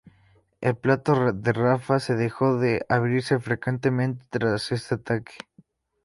El paso de Rafah se dejó de abrirse frecuentemente tras este ataque.